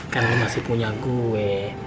karena masih punya gue